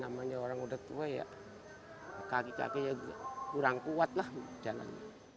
namanya orang udah tua ya kaki kaki kurang kuat lah jalannya